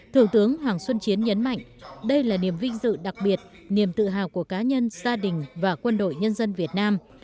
thượng tướng hoàng xuân chiến nhấn mạnh đây là niềm vinh dự đặc biệt niềm tự hào của cá nhân gia đình và quân đội nhân dân việt nam